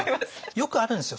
よくあるんですよ。